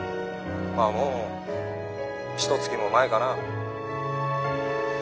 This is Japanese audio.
まあもうひとつきも前かな。